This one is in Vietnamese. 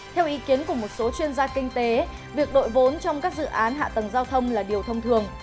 theo ý kiến của một số chuyên gia kinh tế việc đội vốn trong các dự án hạ tầng giao thông là điều thông thường